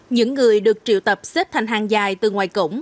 những người được triệu tập xếp thành hàng dài từ ngoài cổng